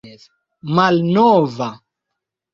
malnova